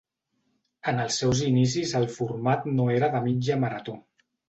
En els seus inicis el format no era de mitja marató.